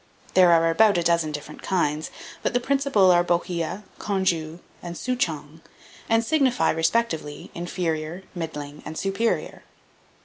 There are about a dozen different kinds; but the principal are Bohea, Congou, and Souchong, and signify, respectively, inferior, middling, and superior.